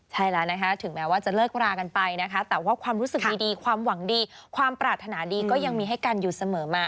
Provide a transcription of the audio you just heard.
ใช่แล้วนะคะถึงแม้ว่าจะเลิกรากันไปนะคะแต่ว่าความรู้สึกดีความหวังดีความปรารถนาดีก็ยังมีให้กันอยู่เสมอมา